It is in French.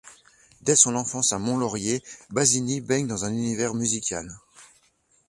Dès son enfance à Mont-Laurier, Bazini baigne dans un univers musical.